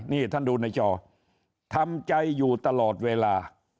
นี่ท่านดูในจอทำใจอยู่ตลอดเวลา